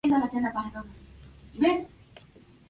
Sociólogo, historiador y jurista argentino.